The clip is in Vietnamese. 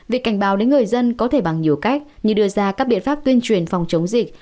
việc cảnh báo đến người dân có thể bằng nhiều cách như đưa ra các biện pháp tuyên truyền phòng chống dịch